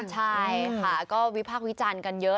ใช่ค่ะก็วิพากษ์วิจารณ์กันเยอะ